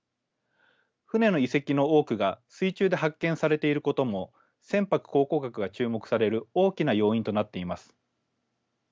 船の遺跡の多くが水中で発見されていることも船舶考古学が注目される大きな要因となっています。